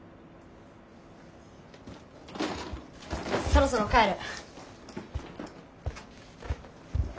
そろそろ帰る。